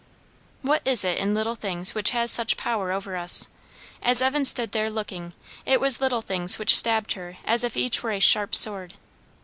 What is it in little things which has such power over us? As Diana stood there looking, it was little things which stabbed her as if each were a sharp sword.